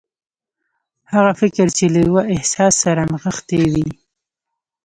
هغه فکر چې له يوه احساس سره نغښتي وي.